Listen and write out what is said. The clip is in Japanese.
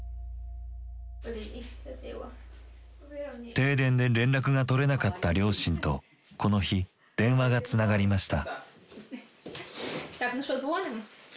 停電で連絡が取れなかった両親とこの日電話がつながりました。